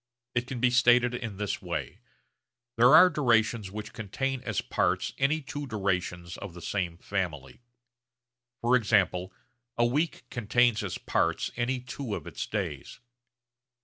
It can be stated in this way: There are durations which contain as parts any two durations of the same family. For example a week contains as parts any two of its days.